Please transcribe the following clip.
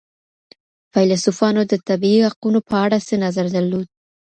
فيلسوفانو د طبعي حقونو په اړه څه نظر درلود؟